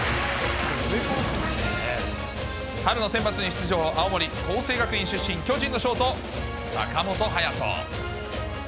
春のセンバツに出場、青森・光星学院出身、巨人のショート、坂本勇人。